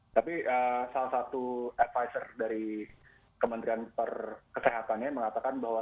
tapi salah satu advisor dari kementerian kesehatannya mengatakan bahwa